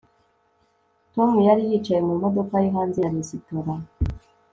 Tom yari yicaye mu modoka ye hanze ya resitora